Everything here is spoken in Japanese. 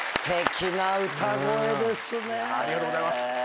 ありがとうございます。